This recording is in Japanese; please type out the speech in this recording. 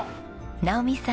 直己さん